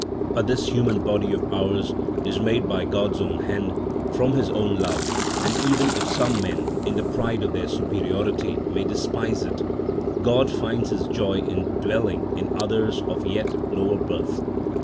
But this human body of ours is made by God's own hand, from his own love, and even if some men, in the pride of their superiority, may despise it, God finds his joy in dwelling in others of yet lower birth.